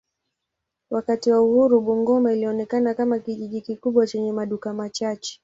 Wakati wa uhuru Bungoma ilionekana kama kijiji kikubwa chenye maduka machache.